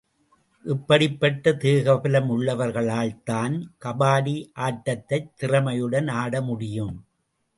இப்படிப்பட்ட தேக பலம் உள்ளவர்களால்தான் கபாடி ஆட்டத்தைத் திறமையுடன் ஆட முடியும்.